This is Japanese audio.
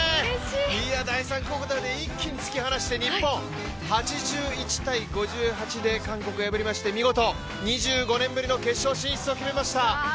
第３クオーターで一気に突き放して日本８１−５８で韓国を破りまして見事、２５年ぶりの決勝進出を決めました！